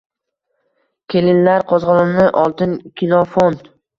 Kelinlar qo‘zg‘oloni oltin kino fond.